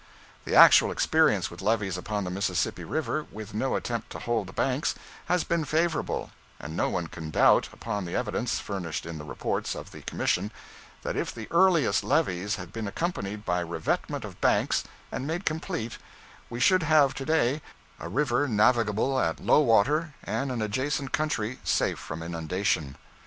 The actual experience with levees upon the Mississippi River, with no attempt to hold the banks, has been favorable, and no one can doubt, upon the evidence furnished in the reports of the commission, that if the earliest levees had been accompanied by revetment of banks, and made complete, we should have to day a river navigable at low water, and an adjacent country safe from inundation.